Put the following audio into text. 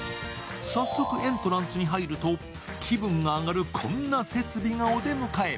早速エントランスに入ると気分が上がるこんな設備がお出迎え。